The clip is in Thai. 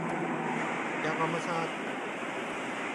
ยากล่อมประสาท